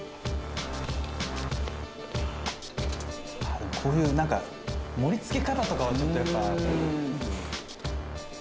「でもこういうなんか盛り付け方とかはちょっとやっぱ」